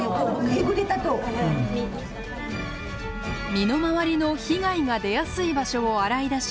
身の回りの被害が出やすい場所を洗い出し